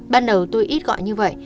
ban đầu tôi ít gọi như vậy